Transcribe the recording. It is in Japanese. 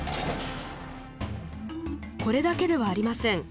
これだけではありません。